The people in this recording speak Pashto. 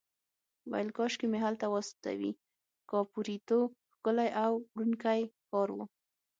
ویل کاشکې مې هلته واستوي، کاپوریتو ښکلی او وړوکی ښار و.